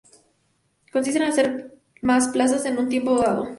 Consiste en hacer más plazas en un tiempo dado.